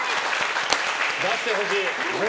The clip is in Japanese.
出してほしい！